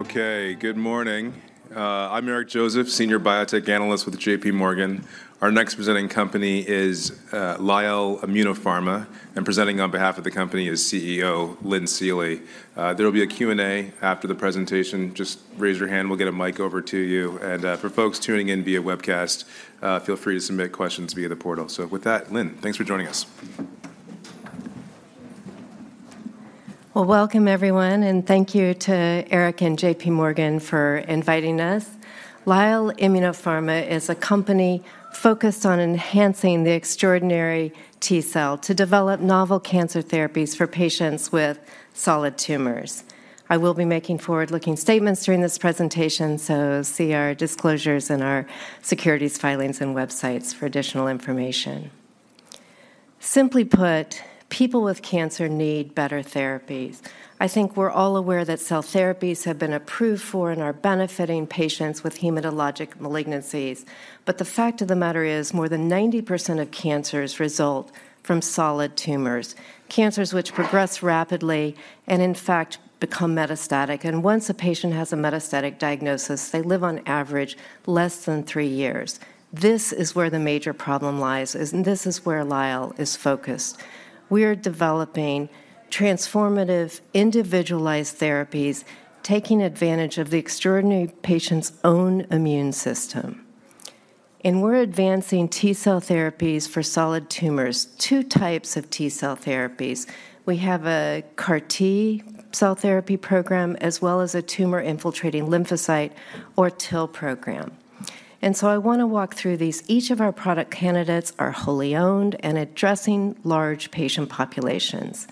Okay, good morning. I'm Eric Joseph, Senior Biotech Analyst with JPMorgan. Our next presenting company is Lyell Immunopharma, and presenting on behalf of the company is CEO, Lynn Seely. There will be a Q&A after the presentation. Just raise your hand, we'll get a mic over to you. For folks tuning in via webcast, feel free to submit questions via the portal. So with that, Lynn, thanks for joining us. Well, welcome everyone, and thank you to Eric and JPMorgan for inviting us. Lyell Immunopharma is a company focused on enhancing the extraordinary T-cell to develop novel cancer therapies for patients with solid tumors. I will be making forward-looking statements during this presentation, so see our disclosures and our securities filings and websites for additional information. Simply put, people with cancer need better therapies. I think we're all aware that T-cell therapies have been approved for and are benefiting patients with hematologic malignancies. But the fact of the matter is, more than 90% of cancers result from solid tumors, cancers which progress rapidly and in fact, become metastatic. And once a patient has a metastatic diagnosis, they live on average less thant three years. This is where the major problem lies, and this is where Lyell is focused. We are developing transformative, individualized therapies, taking advantage of the extraordinary patient's own immune system. We're advancing T-cell therapies for solid tumors, two types of T-cell therapies. We have a CAR T-cell therapy program, as well as a tumor infiltrating lymphocyte or TIL program. So I want to walk through these. Each of our product candidates are wholly owned and addressing large patient populations.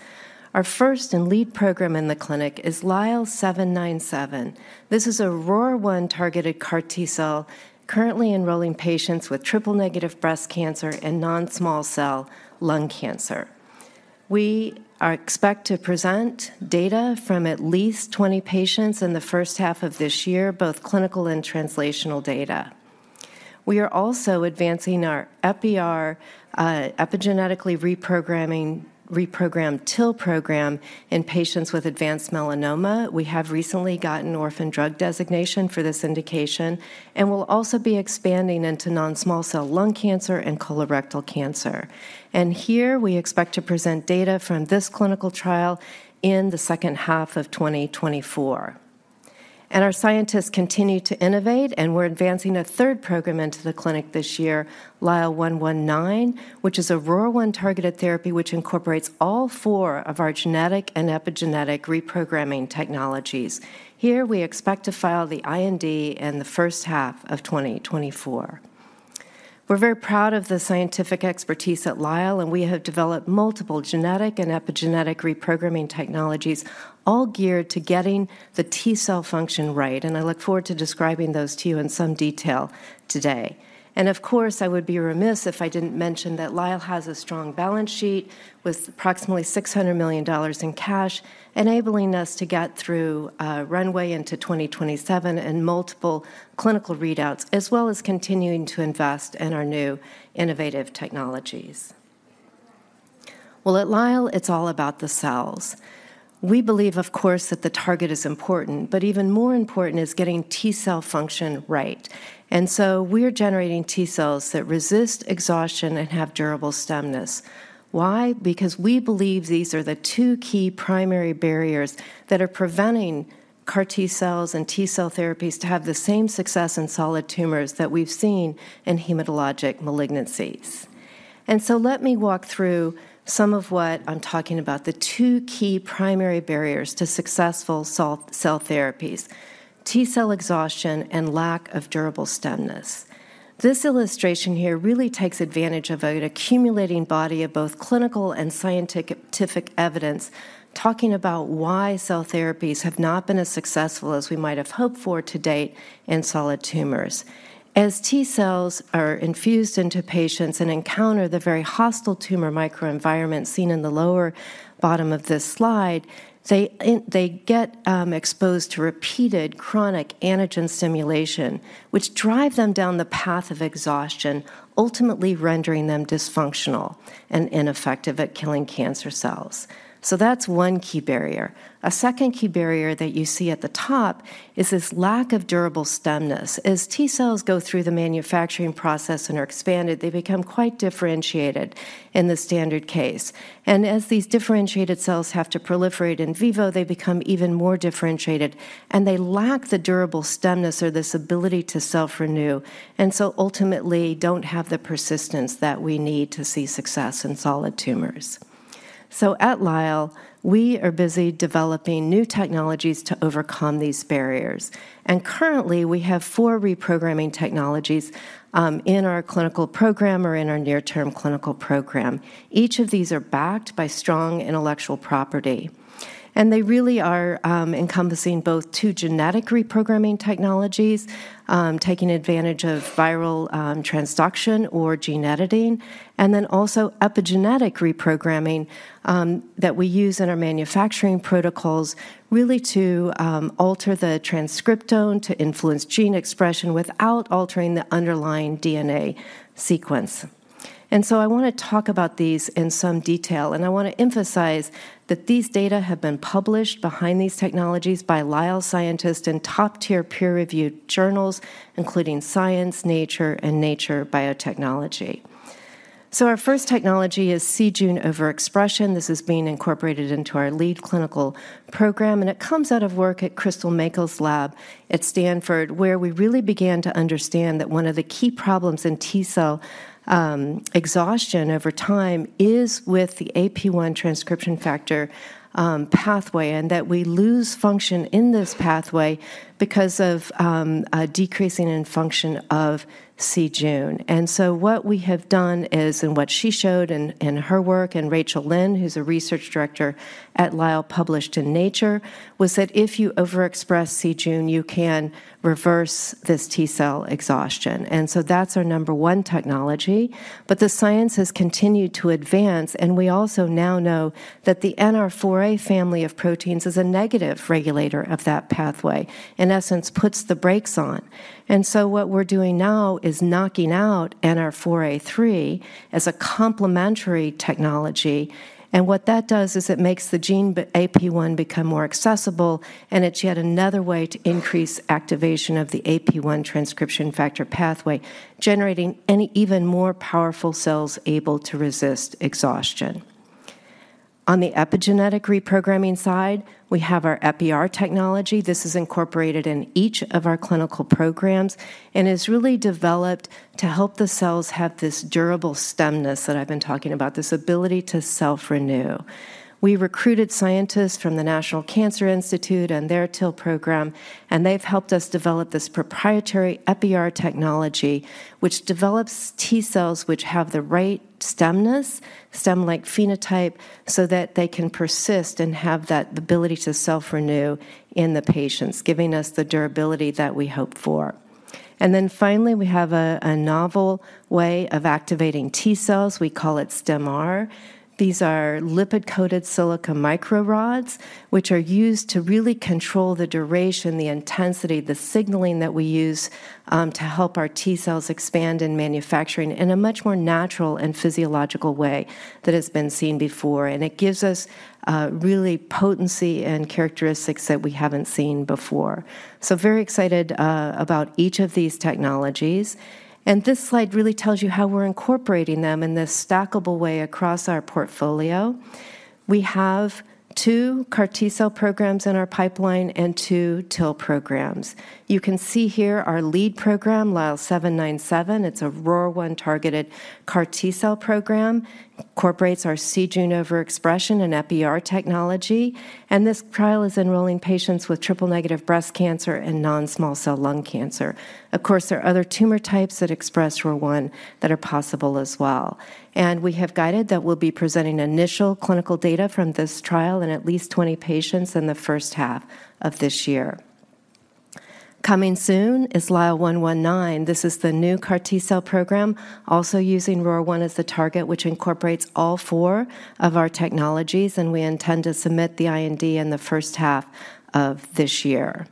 Our first and lead program in the clinic is LYL797. This is a ROR1-targeted CAR T-cell, currently enrolling patients with triple-negative breast cancer and non-small cell lung cancer. We expect to present data from at least 20 patients in the first half of this year, both clinical and translational data. We are also advancing our Epi-R, epigenetically reprogramming, reprogrammed TIL program in patients with advanced melanoma. We have recently gotten orphan drug designation for this indication, and we'll also be expanding into non-small cell lung cancer and colorectal cancer. Here, we expect to present data from this clinical trial in the second half of 2024. Our scientists continue to innovate, and we're advancing a third program into the clinic this year, LYL119, which is a ROR1-targeted therapy, which incorporates all four of our genetic and epigenetic reprogramming technologies. Here, we expect to file the IND in the first half of 2024. We're very proud of the scientific expertise at Lyell, and we have developed multiple genetic and epigenetic reprogramming technologies, all geared to getting the T-cell function right, and I look forward to describing those to you in some detail today. And of course, I would be remiss if I didn't mention that Lyell has a strong balance sheet with approximately $600 million in cash, enabling us to get through runway into 2027 and multiple clinical readouts, as well as continuing to invest in our new innovative technologies. Well, at Lyell, it's all about the cells. We believe, of course, that the target is important, but even more important is getting T-cell function right. And so we're generating T-cells that resist exhaustion and have durable stemness. Why? Because we believe these are the two key primary barriers that are preventing CAR T-cells and T-cell therapies to have the same success in solid tumors that we've seen in hematologic malignancies. So let me walk through some of what I'm talking about, the two key primary barriers to successful cell therapies: T-cell exhaustion and lack of durable stemness. This illustration here really takes advantage of an accumulating body of both clinical and scientific evidence, talking about why cell therapies have not been as successful as we might have hoped for to date in solid tumors. As T-cells are infused into patients and encounter the very hostile tumor microenvironment seen in the lower bottom of this slide, they get exposed to repeated chronic antigen stimulation, which drive them down the path of exhaustion, ultimately rendering them dysfunctional and ineffective at killing cancer cells. So that's one key barrier. A second key barrier that you see at the top is this lack of durable stemness. As T-cells go through the manufacturing process and are expanded, they become quite differentiated in the standard case. As these differentiated cells have to proliferate in vivo, they become even more differentiated, and they lack the durable stemness or this ability to self-renew, and so ultimately, don't have the persistence that we need to see success in solid tumors. At Lyell, we are busy developing new technologies to overcome these barriers. Currently, we have four reprogramming technologies in our clinical program or in our near-term clinical program. Each of these are backed by strong intellectual property, and they really are encompassing both two genetic reprogramming technologies, taking advantage of viral transduction or gene editing, and then also epigenetic reprogramming that we use in our manufacturing protocols, really to alter the transcriptome, to influence gene expression without altering the underlying DNA sequence.... And so I want to talk about these in some detail, and I want to emphasize that these data have been published behind these technologies by Lyell scientists in top-tier peer-reviewed journals, including Science, Nature, and Nature Biotechnology. So our first technology is c-Jun overexpression. This is being incorporated into our lead clinical program, and it comes out of work at Crystal Mackall's lab at Stanford, where we really began to understand that one of the key problems in T-cell exhaustion over time is with the AP-1 transcription factor pathway, and that we lose function in this pathway because of a decreasing in function of c-Jun. And so what we have done is, and what she showed in her work, and Rachel Lynn, who's a research director at Lyell, published in Nature, was that if you overexpress c-Jun, you can reverse this T-cell exhaustion. And so that's our number one technology. But the science has continued to advance, and we also now know that the NR4A family of proteins is a negative regulator of that pathway, in essence, puts the brakes on. And so what we're doing now is knocking out NR4A3 as a complementary technology, and what that does is it makes the gene, AP-1, become more accessible, and it's yet another way to increase activation of the AP-1 transcription factor pathway, generating an even more powerful cells able to resist exhaustion. On the epigenetic reprogramming side, we have our Epi-R technology. This is incorporated in each of our clinical programs and is really developed to help the cells have this durable stemness that I've been talking about, this ability to self-renew. We recruited scientists from the National Cancer Institute and their TIL program, and they've helped us develop this proprietary Epi-R technology, which develops T-cells which have the right stemness, stem-like phenotype, so that they can persist and have that ability to self-renew in the patients, giving us the durability that we hope for. Then finally, we have a novel way of activating T-cells. We call it Stim-R. These are lipid-coated silica micro rods, which are used to really control the duration, the intensity, the signaling that we use, to help our T-cells expand in manufacturing in a much more natural and physiological way than has been seen before. And it gives us really potency and characteristics that we haven't seen before. So very excited about each of these technologies. And this slide really tells you how we're incorporating them in this stackable way across our portfolio. We have two CAR T-cell programs in our pipeline and two TIL programs. You can see here our lead program, LYL797. It's a ROR1-targeted CAR T-cell program, incorporates our c-Jun overexpression and Epi-R technology, and this trial is enrolling patients with triple-negative breast cancer and non-small cell lung cancer. Of course, there are other tumor types that express ROR1 that are possible as well. We have guided that we'll be presenting initial clinical data from this trial in at least 20 patients in the first half of this year. Coming soon is LYL119. This is the new CAR T-cell program, also using ROR1 as the target, which incorporates all four of our technologies, and we intend to submit the IND in the first half of this year.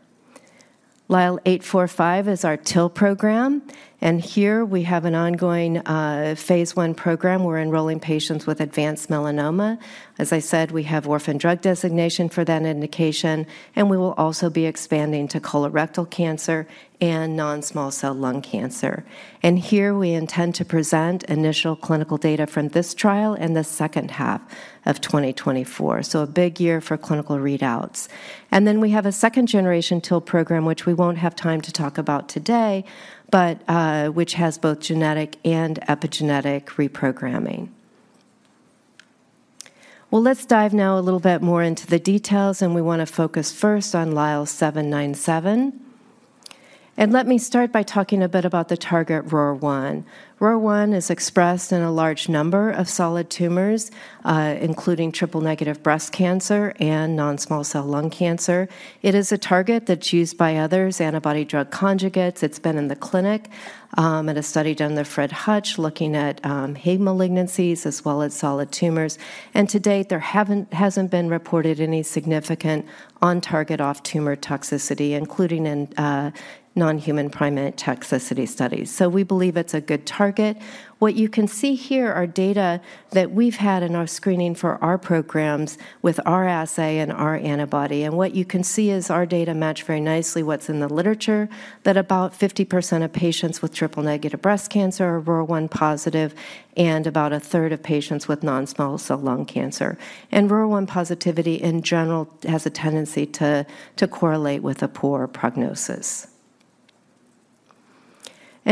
LYL845 is our TIL program, and here we have an ongoing phase I program. We're enrolling patients with advanced melanoma. As I said, we have orphan drug designation for that indication, and we will also be expanding to colorectal cancer and non-small cell lung cancer. Here we intend to present initial clinical data from this trial in the second half of 2024. So a big year for clinical readouts. Then we have a second-generation TIL program, which we won't have time to talk about today, but which has both genetic and epigenetic reprogramming. Well, let's dive now a little bit more into the details, and we want to focus first on LYL797. Let me start by talking a bit about the target ROR1. ROR1 is expressed in a large number of solid tumors, including triple-negative breast cancer and non-small cell lung cancer. It is a target that's used by others, antibody drug conjugates. It's been in the clinic in a study done at Fred Hutch, looking at hematologic malignancies as well as solid tumors. And to date, there hasn't been reported any significant on-target, off-tumor toxicity, including in non-human primate toxicity studies. So we believe it's a good target. What you can see here are data that we've had in our screening for our programs with our assay and our antibody. And what you can see is our data match very nicely what's in the literature, that about 50% of patients with triple-negative breast cancer are ROR1 positive and about a third of patients with non-small cell lung cancer. And ROR1 positivity, in general, has a tendency to correlate with a poor prognosis.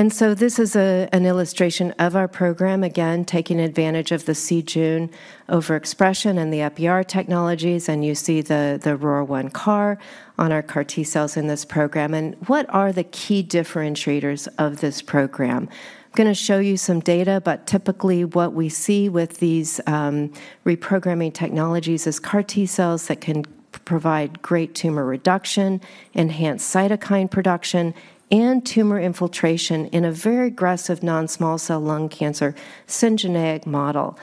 So this is an illustration of our program, again, taking advantage of the c-Jun overexpression and the Epi-R technologies, and you see the ROR1 CAR on our CAR T-cells in this program. And what are the key differentiators of this program? I'm gonna show you some data, but typically what we see with these reprogramming technologies is CAR T-cells that can provide great tumor reduction, enhance cytokine production, and tumor infiltration in a very aggressive non-small cell lung cancer syngeneic model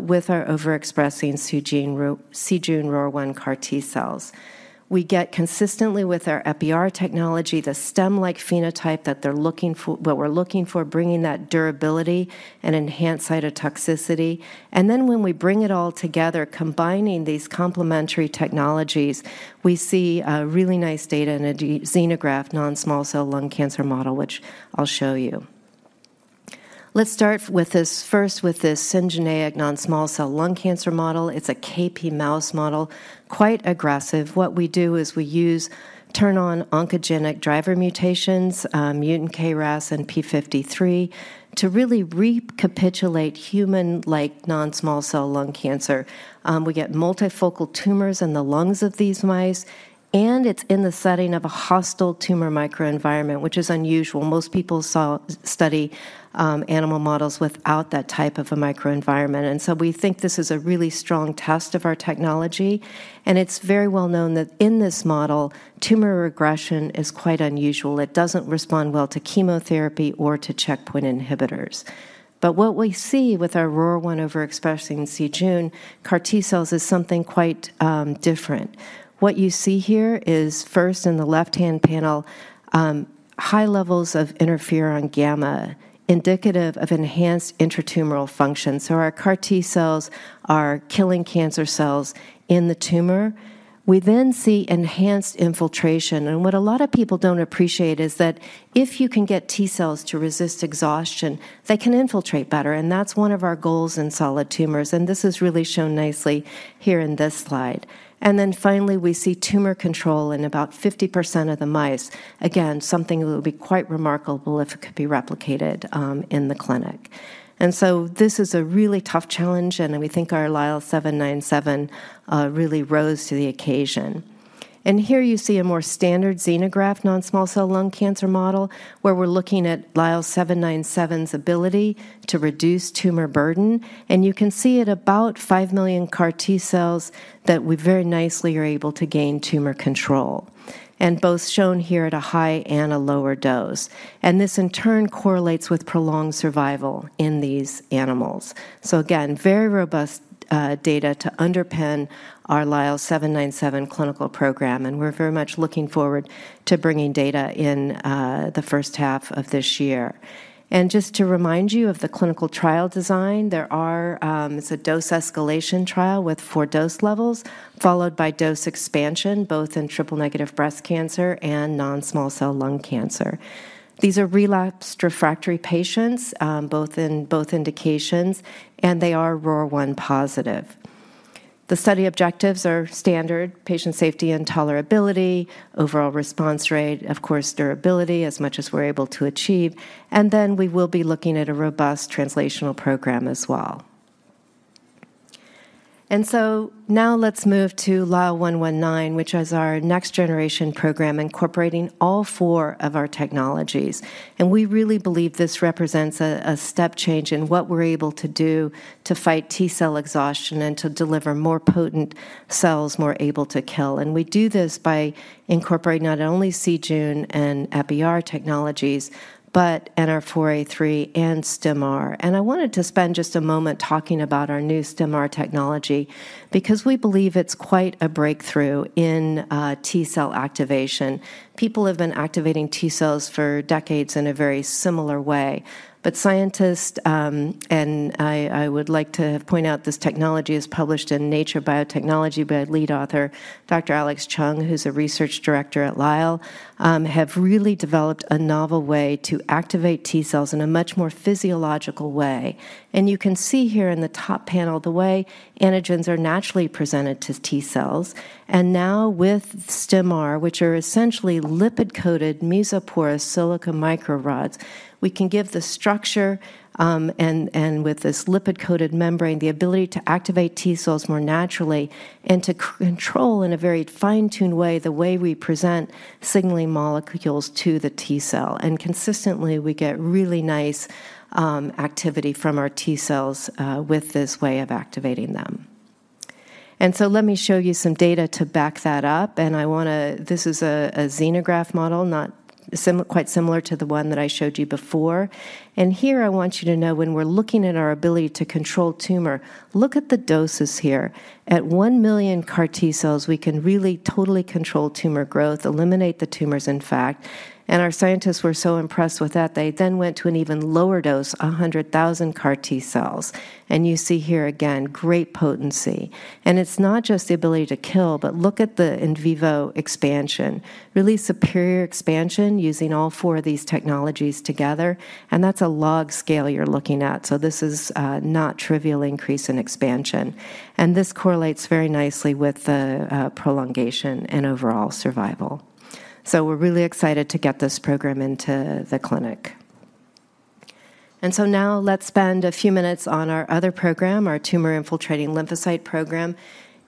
with our overexpressing c-Jun ROR1 CAR T-cells. We get consistently with our Epi-R technology the stem-like phenotype that they're looking for—what we're looking for, bringing that durability and enhanced cytotoxicity. And then when we bring it all together, combining these complementary technologies, we see really nice data in a xenograft non-small cell lung cancer model, which I'll show you. Let's start with this first, with this syngeneic non-small cell lung cancer model. It's a KP mouse model, quite aggressive. What we do is we use turn-on oncogenic driver mutations, mutant KRAS and p53, to really recapitulate human-like non-small cell lung cancer. We get multifocal tumors in the lungs of these mice, and it's in the setting of a hostile tumor microenvironment, which is unusual. Most people study animal models without that type of a microenvironment. And so we think this is a really strong test of our technology, and it's very well known that in this model, tumor regression is quite unusual. It doesn't respond well to chemotherapy or to checkpoint inhibitors. But what we see with our ROR1 overexpressing c-Jun CAR T-cells is something quite, different. What you see here is, first in the left-hand panel, high levels of interferon gamma, indicative of enhanced intratumoral function. So our CAR T-cells are killing cancer cells in the tumor. We then see enhanced infiltration, and what a lot of people don't appreciate is that if you can get T-cells to resist exhaustion, they can infiltrate better, and that's one of our goals in solid tumors, and this is really shown nicely here in this slide. And then finally, we see tumor control in about 50% of the mice. Again, something that would be quite remarkable if it could be replicated, in the clinic. And so this is a really tough challenge, and we think our LYL797 really rose to the occasion. Here you see a more standard xenograft non-small cell lung cancer model, where we're looking at LYL797's ability to reduce tumor burden. You can see at about 5 million CAR T-cells, that we very nicely are able to gain tumor control, and both shown here at a high and a lower dose. This, in turn, correlates with prolonged survival in these animals. So again, very robust data to underpin our LYL797 clinical program, and we're very much looking forward to bringing data in the first half of this year. Just to remind you of the clinical trial design, there are, it's a dose escalation trial with 4 dose levels, followed by dose expansion, both in triple-negative breast cancer and non-small cell lung cancer. These are relapsed refractory patients, both in both indications, and they are ROR1 positive. The study objectives are standard: patient safety and tolerability, overall response rate, of course, durability, as much as we're able to achieve, and then we will be looking at a robust translational program as well. So now let's move to LYL119, which is our next generation program, incorporating all four of our technologies. We really believe this represents a step change in what we're able to do to fight T-cell exhaustion and to deliver more potent T-cells, more able to kill. We do this by incorporating not only c-Jun and Epi-R technologies, but NR4A3 and Stim-R. I wanted to spend just a moment talking about our new Stim-R technology because we believe it's quite a breakthrough in T-cell activation. People have been activating T-cells for decades in a very similar way. But scientists and I would like to point out this technology is published in Nature Biotechnology by lead author, Dr. Alex Cheung, who's a research director at Lyell, have really developed a novel way to activate T-cells in a much more physiological way. And you can see here in the top panel, the way antigens are naturally presented to T-cells. And now with Stim-R, which are essentially lipid-coated, mesoporous silica micro rods, we can give the structure and with this lipid-coated membrane, the ability to activate T-cells more naturally and to control, in a very fine-tuned way, the way we present signaling molecules to the T-cell. And consistently, we get really nice activity from our T-cells with this way of activating them. So let me show you some data to back that up. I want to—this is a xenograft model, quite similar to the one that I showed you before. Here I want you to know, when we're looking at our ability to control tumor, look at the doses here. At 1 million CAR T-cells, we can really totally control tumor growth, eliminate the tumors, in fact. Our scientists were so impressed with that, they then went to an even lower dose, 100,000 CAR T-cells. You see here, again, great potency. It's not just the ability to kill, but look at the in vivo expansion. Really superior expansion using all four of these technologies together, and that's a log scale you're looking at. So this is not a trivial increase in expansion. And this correlates very nicely with the prolongation and overall survival. So we're really excited to get this program into the clinic. And so now let's spend a few minutes on our other program, our Tumor Infiltrating Lymphocyte program.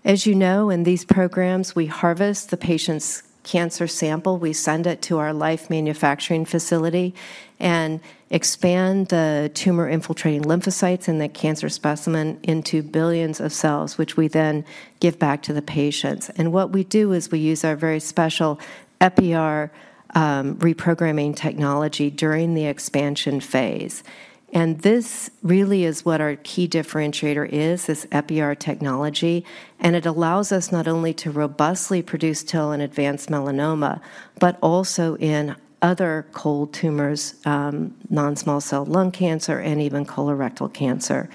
As you know, in these programs, we harvest the patient's cancer sample, we send it to our Lyell manufacturing facility, and expand the tumor-infiltrating lymphocytes in the cancer specimen into billions of cells, which we then give back to the patients. And what we do is we use our very special Epi-R reprogramming technology during the expansion phase. And this really is what our key differentiator is, this Epi-R technology, and it allows us not only to robustly produce TIL in advanced melanoma, but also in other cold tumors, non-small cell lung cancer, and even colorectal cancer.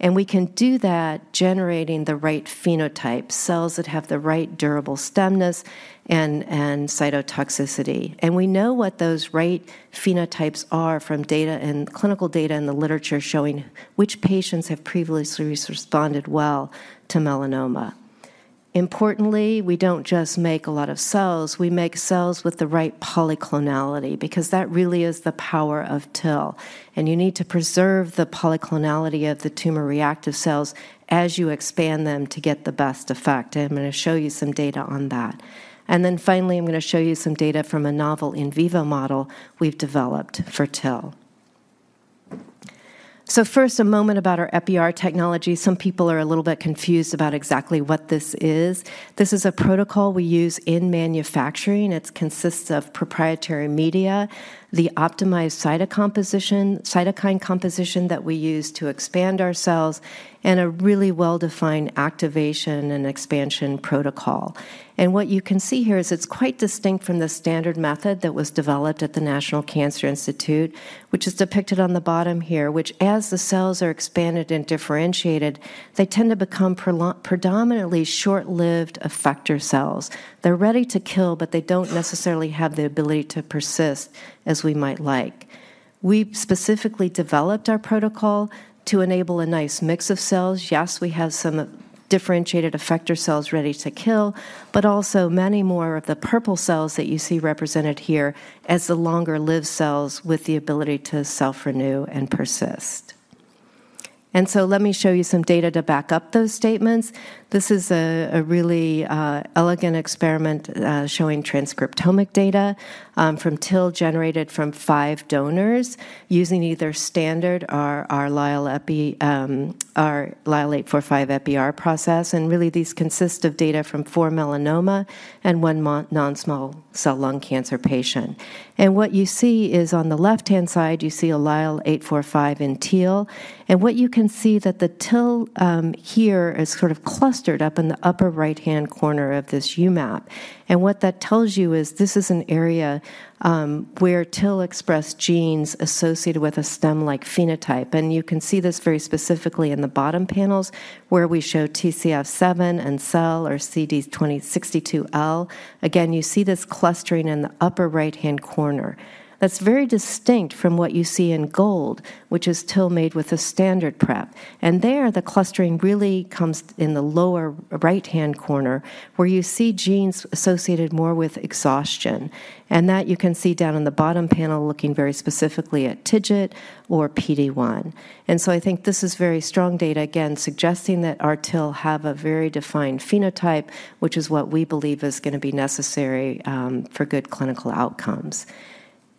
And we can do that generating the right phenotype, cells that have the right durable stemness and, and cytotoxicity. And we know what those right phenotypes are from data and clinical data in the literature showing which patients have previously responded well to melanoma. Importantly, we don't just make a lot of cells, we make cells with the right polyclonality, because that really is the power of TIL. And you need to preserve the polyclonality of the tumor-reactive cells as you expand them to get the best effect, and I'm gonna show you some data on that. And then finally, I'm gonna show you some data from a novel in vivo model we've developed for TIL. So first, a moment about our Epi-R technology. Some people are a little bit confused about exactly what this is. This is a protocol we use in manufacturing. It consists of proprietary media, the optimized cytocomposition, cytokine composition that we use to expand our cells, and a really well-defined activation and expansion protocol. And what you can see here is it's quite distinct from the standard method that was developed at the National Cancer Institute, which is depicted on the bottom here, which, as the cells are expanded and differentiated, they tend to become predominantly short-lived effector cells. They're ready to kill, but they don't necessarily have the ability to persist as we might like. We've specifically developed our protocol to enable a nice mix of cells. Yes, we have some differentiated effector cells ready to kill, but also many more of the purple cells that you see represented here as the longer-lived cells with the ability to self-renew and persist. And so let me show you some data to back up those statements. This is a really elegant experiment showing transcriptomic data from TIL generated from 5 donors using either standard or our Lyell Epi-R, our Lyell 845 Epi-R process. And really, these consist of data from 4 melanoma and 1 non-small cell lung cancer patient. And what you see is on the left-hand side, you see a Lyell 845 in teal, and what you can see that the TIL here is sort of clustered up in the upper right-hand corner of this U map. And what that tells you is this is an area where TIL express genes associated with a stem-like phenotype, and you can see this very specifically in the bottom panels, where we show TCF7 and cell or CD62L. Again, you see this clustering in the upper right-hand corner. That's very distinct from what you see in gold, which is TIL made with a standard prep. And there, the clustering really comes in the lower right-hand corner, where you see genes associated more with exhaustion, and that you can see down in the bottom panel, looking very specifically at TIGIT or PD-1. And so I think this is very strong data, again, suggesting that our TIL have a very defined phenotype, which is what we believe is gonna be necessary for good clinical outcomes.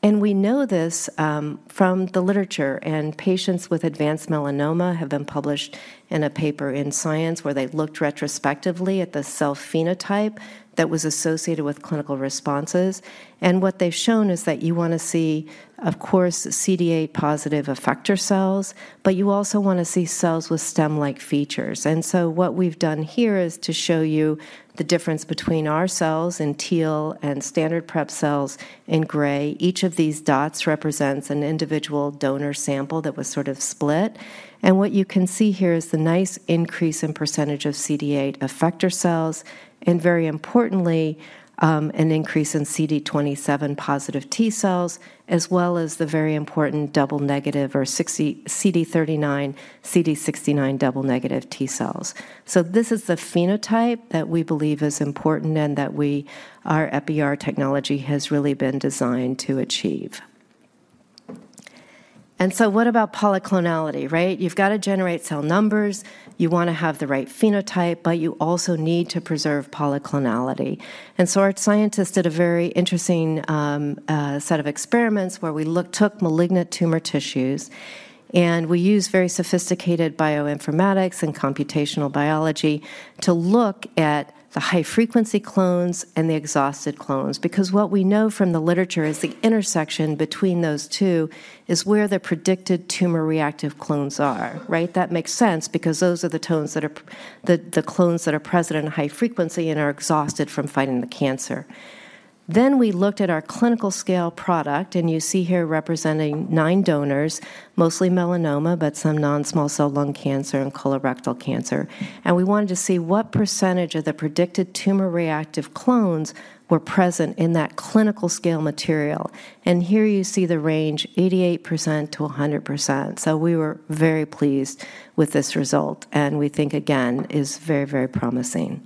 And we know this from the literature, and patients with advanced melanoma have been published in a paper in Science, where they looked retrospectively at the cell phenotype that was associated with clinical responses. And what they've shown is that you wanna see, of course, CD8 positive effector cells, but you also wanna see cells with stem-like features. What we've done here is to show you the difference between our cells in teal and standard prep cells in gray. Each of these dots represents an individual donor sample that was sort of split. What you can see here is the nice increase in percentage of CD8 effector cells, and very importantly, an increase in CD27 positive T-cells, as well as the very important double negative, or CD39, CD69 double negative T-cells. This is the phenotype that we believe is important and that we, our Epi-R technology has really been designed to achieve. What about polyclonality, right? You've got to generate cell numbers, you wanna have the right phenotype, but you also need to preserve polyclonality. So our scientists did a very interesting set of experiments where we took malignant tumor tissues, and we used very sophisticated bioinformatics and computational biology to look at the high-frequency clones and the exhausted clones, because what we know from the literature is the intersection between those two is where the predicted tumor-reactive clones are, right? That makes sense, because those are the ones that are the, the clones that are present in high frequency and are exhausted from fighting the cancer. Then we looked at our clinical scale product, and you see here representing 9 donors, mostly melanoma, but some non-small cell lung cancer and colorectal cancer. We wanted to see what percentage of the predicted tumor-reactive clones were present in that clinical scale material. Here you see the range, 88%-100%. So we were very pleased with this result, and we think, again, is very, very promising.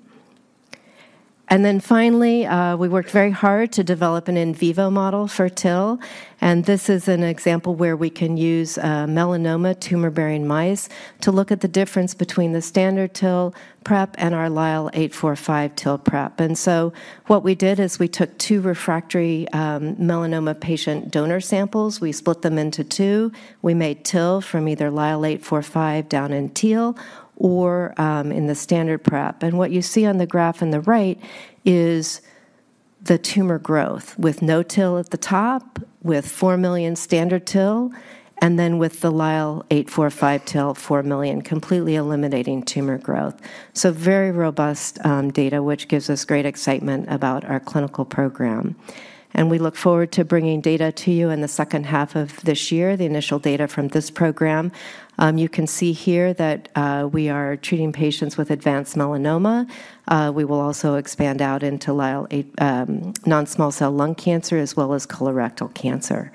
And then finally, we worked very hard to develop an in vivo model for TIL, and this is an example where we can use melanoma tumor-bearing mice to look at the difference between the standard TIL prep and our LYL845 TIL prep. And so what we did is we took two refractory melanoma patient donor samples. We split them into two. We made TIL from either LYL845 done in TIL or in the standard prep. And what you see on the graph on the right is the tumor growth, with no TIL at the top, with 4 million standard TIL, and then with the LYL845 TIL, 4 million, completely eliminating tumor growth. So very robust data, which gives us great excitement about our clinical program. We look forward to bringing data to you in the second half of this year, the initial data from this program. You can see here that we are treating patients with advanced melanoma. We will also expand out into LYL845, non-small cell lung cancer, as well as colorectal cancer.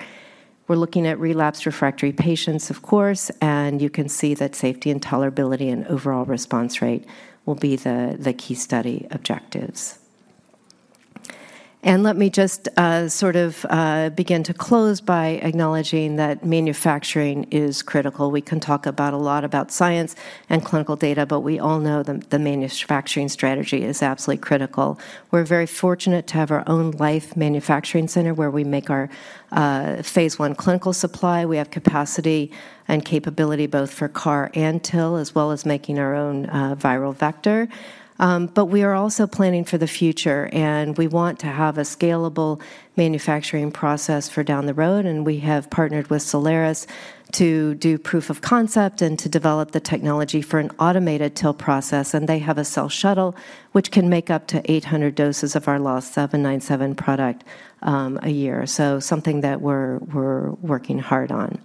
We're looking at relapsed refractory patients, of course, and you can see that safety and tolerability and overall response rate will be the key study objectives. And let me just sort of begin to close by acknowledging that manufacturing is critical. We can talk about a lot about science and clinical data, but we all know the manufacturing strategy is absolutely critical. We're very fortunate to have our own internal manufacturing center, where we make our phase 1 clinical supply. We have capacity and capability, both for CAR and TIL, as well as making our own viral vector. But we are also planning for the future, and we want to have a scalable manufacturing process for down the road, and we have partnered with Cellares to do proof of concept and to develop the technology for an automated TIL process. And they have a Cell Shuttle, which can make up to 800 doses of our LYL797 product a year. So something that we're, we're working hard on.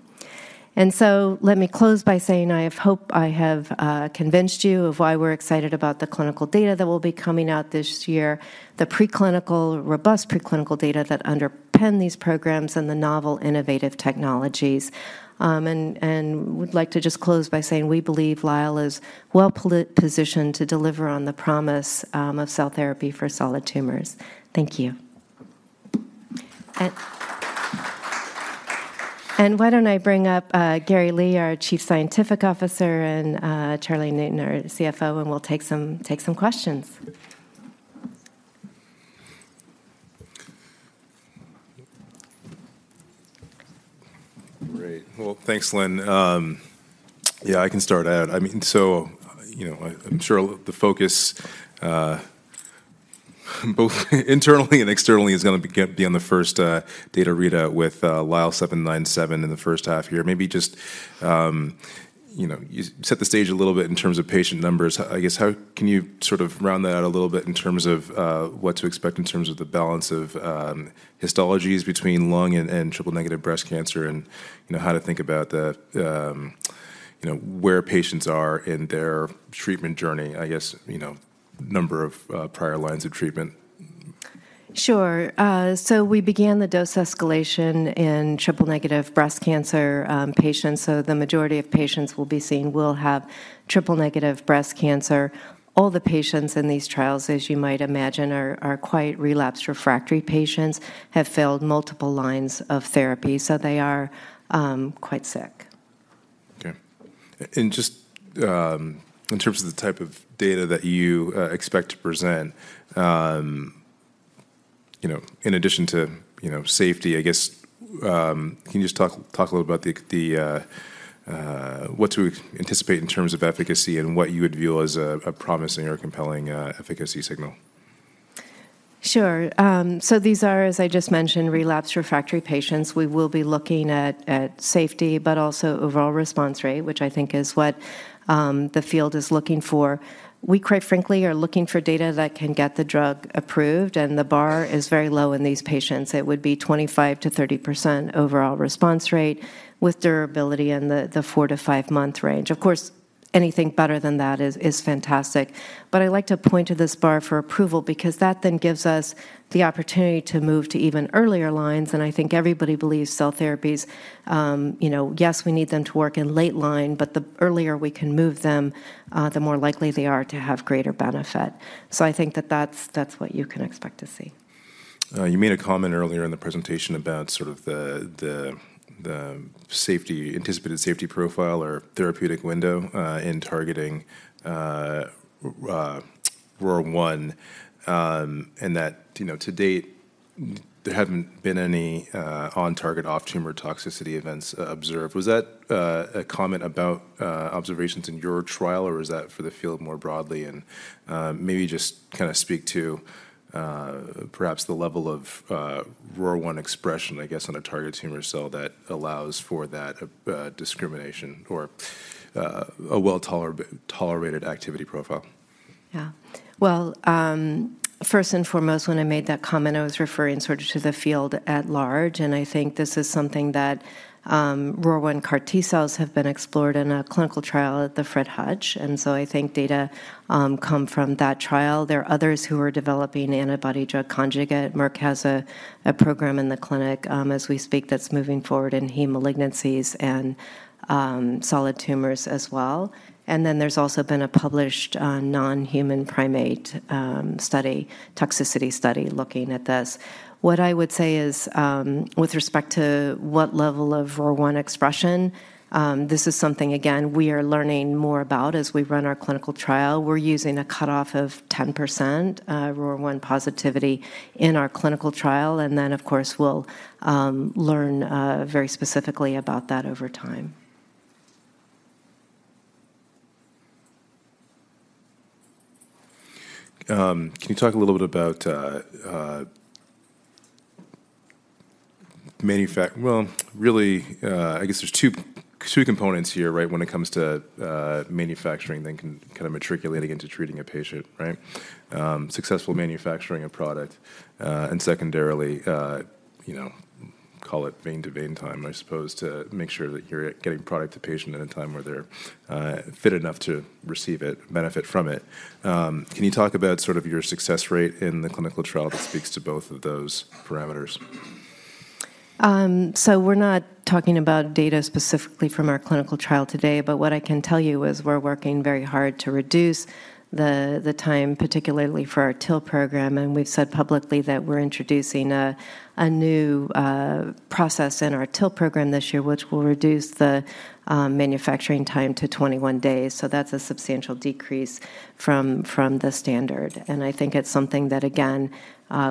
And so let me close by saying I hope I have convinced you of why we're excited about the clinical data that will be coming out this year, the preclinical, robust preclinical data that underpin these programs and the novel innovative technologies. And would like to just close by saying we believe Lyell is well-positioned to deliver on the promise of cell therapy for solid tumors. Thank you. And why don't I bring up Gary Lee, our Chief Scientific Officer, and Charlie Newton, our CFO, and we'll take some questions. Great. Well, thanks, Lynn. Yeah, I can start out. I mean, so, you know, I'm sure the focus both internally and externally is gonna be on the first data readout with LYL797 in the first half year. Maybe just, you know, you set the stage a little bit in terms of patient numbers. I guess, how can you sort of round that out a little bit in terms of what to expect in terms of the balance of histologies between lung and triple-negative breast cancer, and, you know, how to think about the, you know, where patients are in their treatment journey, I guess, you know, number of prior lines of treatment? Sure. So we began the dose escalation in triple-negative breast cancer patients, so the majority of patients we'll be seeing will have triple-negative breast cancer. All the patients in these trials, as you might imagine, are quite relapsed refractory patients, have failed multiple lines of therapy, so they are quite sick. Okay. And just in terms of the type of data that you expect to present, you know, in addition to, you know, safety, I guess, can you just talk a little about what to anticipate in terms of efficacy and what you would view as a promising or compelling efficacy signal? Sure. So these are, as I just mentioned, relapsed refractory patients. We will be looking at safety, but also overall response rate, which I think is what the field is looking for. We, quite frankly, are looking for data that can get the drug approved, and the bar is very low in these patients. It would be 25%-30% overall response rate with durability in the 4-5-month range. Of course, anything better than that is fantastic, but I like to point to this bar for approval because that then gives us the opportunity to move to even earlier lines, and I think everybody believes cell therapies, you know, yes, we need them to work in late line, but the earlier we can move them, the more likely they are to have greater benefit. So I think that that's what you can expect to see. You made a comment earlier in the presentation about sort of the anticipated safety profile or therapeutic window in targeting ROR1, and that, you know, to date, there haven't been any on target off-tumor toxicity events observed. Was that a comment about observations in your trial, or is that for the field more broadly? And maybe just kinda speak to perhaps the level of ROR1 expression, I guess, on a target tumor cell that allows for that discrimination or a well-tolerated activity profile.... Yeah. Well, first and foremost, when I made that comment, I was referring sort of to the field at large, and I think this is something that, ROR1 CAR T-cells have been explored in a clinical trial at the Fred Hutch, and so I think data, come from that trial. There are others who are developing antibody drug conjugate. Merck has a program in the clinic, as we speak, that's moving forward in hematologic malignancies and, solid tumors as well. And then there's also been a published, non-human primate, study, toxicity study, looking at this. What I would say is, with respect to what level of ROR1 expression, this is something, again, we are learning more about as we run our clinical trial. We're using a cutoff of 10% ROR1 positivity in our clinical trial, and then, of course, we'll learn very specifically about that over time. Can you talk a little bit about manufacturing? Well, really, I guess there's two components here, right? When it comes to manufacturing, then kind of matriculating into treating a patient, right? Successful manufacturing a product, and secondarily, you know, call it vein to vein time, I suppose, to make sure that you're getting product to patient in a time where they're fit enough to receive it, benefit from it. Can you talk about sort of your success rate in the clinical trial that speaks to both of those parameters? So we're not talking about data specifically from our clinical trial today, but what I can tell you is we're working very hard to reduce the time, particularly for our TIL program, and we've said publicly that we're introducing a new process in our TIL program this year, which will reduce the manufacturing time to 21 days. So that's a substantial decrease from the standard, and I think it's something that, again,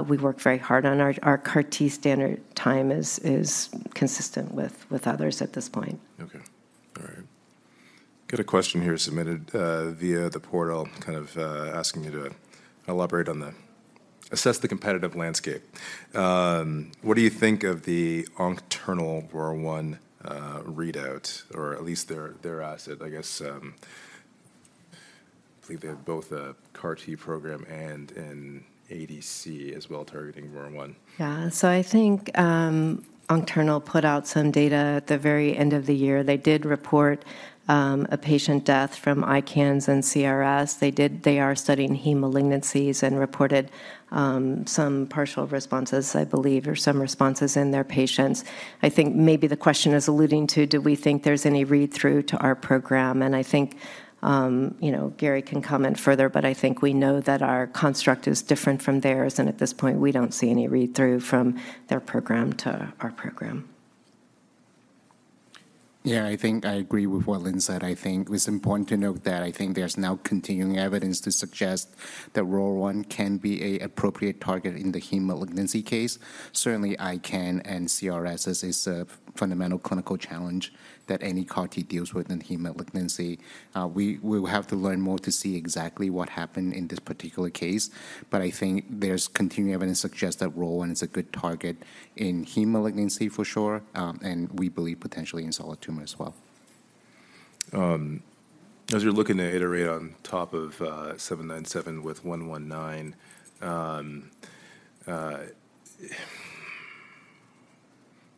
we've worked very hard on. Our CAR T standard time is consistent with others at this point. Okay. All right. Got a question here submitted via the portal, kind of, asking you to elaborate on, assess the competitive landscape. What do you think of the Oncternal ROR1 readout, or at least their, their asset? I guess, I believe they have both a CAR T program and an ADC as well, targeting ROR1. Yeah. So I think, Oncternal put out some data at the very end of the year. They did report a patient death from ICANS and CRS. They are studying hematologic malignancies and reported some partial responses, I believe, or some responses in their patients. I think maybe the question is alluding to, do we think there's any read-through to our program? And I think, you know, Gary can comment further, but I think we know that our construct is different from theirs, and at this point, we don't see any read-through from their program to our program. Yeah, I think I agree with what Lynn said. I think it's important to note that I think there's now continuing evidence to suggest that ROR1 can be an appropriate target in the heme malignancy case. Certainly, ICANS and CRS is a fundamental clinical challenge that any CAR T deals with in heme malignancy. We will have to learn more to see exactly what happened in this particular case, but I think there's continuing evidence to suggest that ROR1 is a good target in heme malignancy, for sure, and we believe potentially in solid tumor as well. As you're looking to iterate on top of 797 with 119,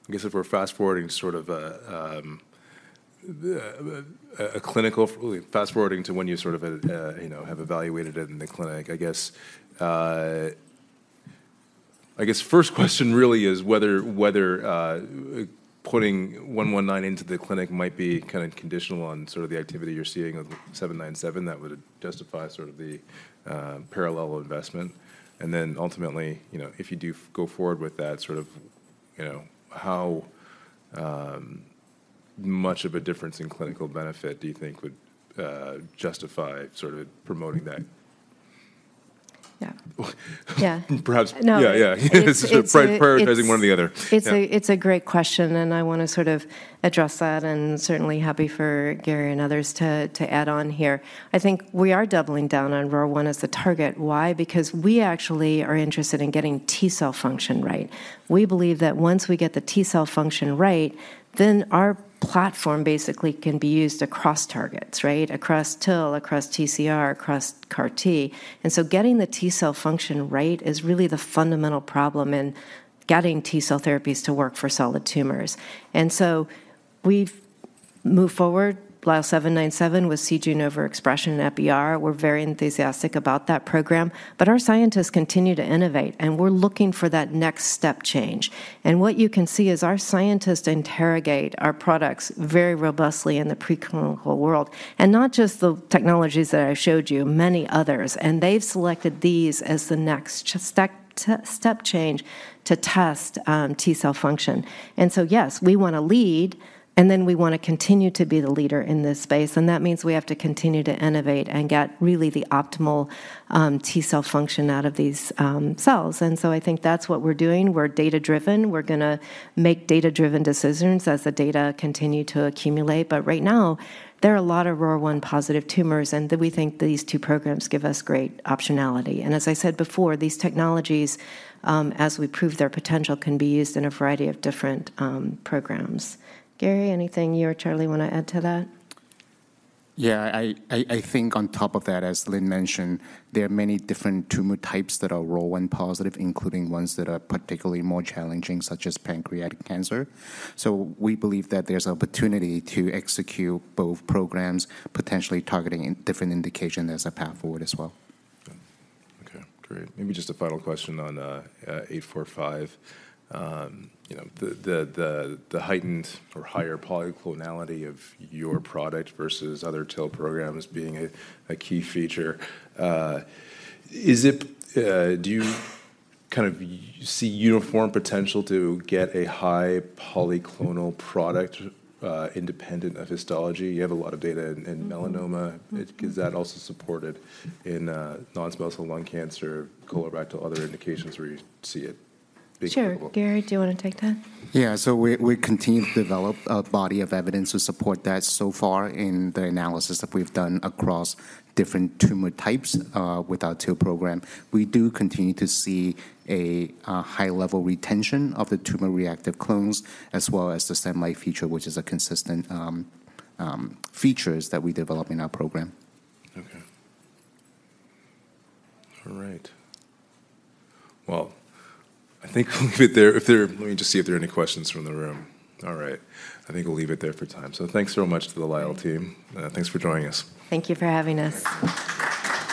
I guess if we're fast-forwarding to when you sort of, you know, have evaluated it in the clinic, I guess first question really is whether, whether, putting 119 into the clinic might be kind of conditional on sort of the activity you're seeing of 797, that would justify sort of the parallel investment. And then ultimately, you know, if you do go forward with that, sort of, you know, how much of a difference in clinical benefit do you think would justify sort of promoting that? Yeah. Yeah. Perhaps- Yeah, yeah. No, it's- Prioritizing one or the other. It's a great question, and I want to sort of address that, and certainly happy for Gary and others to add on here. I think we are doubling down on ROR1 as the target. Why? Because we actually are interested in getting T-cell function right. We believe that once we get the T-cell function right, then our platform basically can be used across targets, right? Across TIL, across TCR, across CAR T. And so getting the T-cell function right is really the fundamental problem in getting T-cell therapies to work for solid tumors. And so we've moved forward. LYL797 with c-Jun overexpression and Epi-R, we're very enthusiastic about that program. But our scientists continue to innovate, and we're looking for that next step change. What you can see is our scientists interrogate our products very robustly in the preclinical world, and not just the technologies that I showed you, many others, and they've selected these as the next step change to test T-cell function. So, yes, we want to lead, and then we want to continue to be the leader in this space, and that means we have to continue to innovate and get really the optimal T-cell function out of these cells. So I think that's what we're doing. We're data-driven. We're gonna make data-driven decisions as the data continue to accumulate. But right now, there are a lot of ROR1 positive tumors, and that we think these two programs give us great optionality. As I said before, these technologies, as we prove their potential, can be used in a variety of different programs. Gary, anything you or Charlie want to add to that? Yeah, I think on top of that, as Lynn mentioned, there are many different tumor types that are ROR1 positive, including ones that are particularly more challenging, such as pancreatic cancer. So we believe that there's opportunity to execute both programs, potentially targeting a different indication as a path forward as well. Okay, great. Maybe just a final question on 845. You know, the heightened or higher polyclonality of your product versus other TIL programs being a key feature, is it—Do you kind of see uniform potential to get a high polyclonal product independent of histology? You have a lot of data in melanoma. Mm-hmm. Is that also supported in non-small cell lung cancer, colorectal, other indications where you see it? Sure. Gary, do you want to take that? Yeah, so we continue to develop a body of evidence to support that. So far in the analysis that we've done across different tumor types, with our TIL program, we do continue to see a high level retention of the tumor-reactive clones, as well as the stemness feature, which is a consistent features that we develop in our program. Okay. All right. Well, I think we'll leave it there. Let me just see if there are any questions from the room. All right. I think we'll leave it there for time. So thanks so much to the Lyell team, thanks for joining us. Thank you for having us.